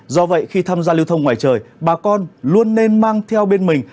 do vậy khi tham gia lưu thông ngoài trời bà con luôn nên mang theo bên mình